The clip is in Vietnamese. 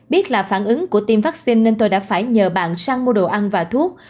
biết là phản ứng của tiêm vaccine nên tôi đã phải nhờ bạn sang mua đồ ăn và thuốc